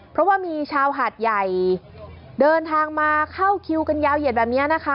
เพราะว่ามีชาวหาดใหญ่เดินทางมาเข้าคิวกันยาวเหยียดแบบนี้นะคะ